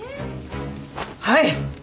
はい。